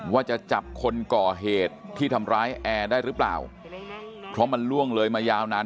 ว่าจะจับคนก่อเหตุที่ทำร้ายแอร์ได้หรือเปล่าเพราะมันล่วงเลยมายาวนาน